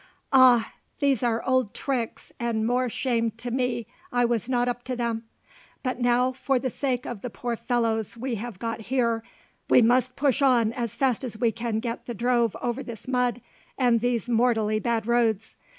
"Ah! these are old tricks, and more shame to me I was not up to them; but now, for the sake of the poor fellows we have got here, we must push on as fast as we can get the drove over this mud and these mortally bad roads.